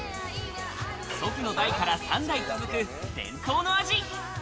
祖父の代から３代続く伝統の味。